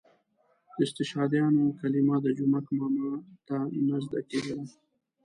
د استشهادیانو کلمه د جومک ماما ته نه زده کېدله.